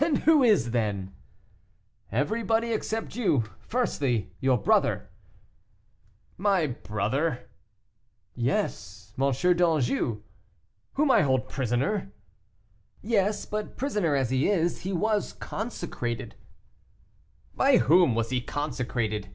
"And who is king then?" "Everybody, except you; firstly, your brother " "My brother!" "Yes, M. d'Anjou." "Whom I hold prisoner." "Yes, but prisoner as he is, he was consecrated." "By whom was he consecrated?"